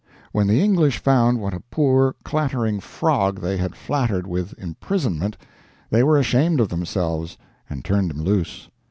When the English found what a poor, clattering frog they had flattered with imprisonment, they were ashamed of themselves, and turned him loose.